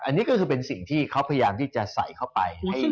อันนี้ก็คือเป็นสิ่งที่เขาพยายามที่จะใส่เข้าไป